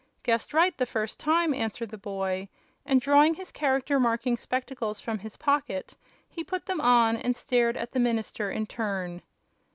"Guessed right the first time," answered the boy, and drawing his Character Marking spectacles from his pocket, he put them on and stared at the minister in turn.